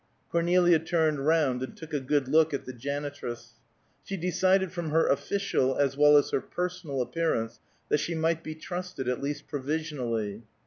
Cornelia turned round and took a good look at the janitress. She decided from her official as well as her personal appearance that she might be trusted, as least provisionally.